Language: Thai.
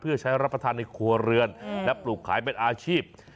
เพื่อใช้รับประทานในครัวเรือนและปลูกขายเป็นอาชีพ